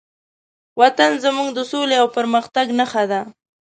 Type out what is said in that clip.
وطن زموږ د سولې او پرمختګ نښه ده.